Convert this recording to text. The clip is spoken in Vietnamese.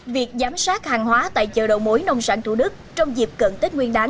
việc giám sát hàng hóa tại chợ đậu mối nông sản thủ đức trong dịp cận tết nguyên đán